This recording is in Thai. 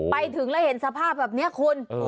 ไปถึงแล้วเห็นสภาพแบบนี้คุณ